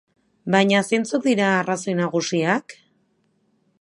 Baina zeintzuk dira arrazoi nagusiak?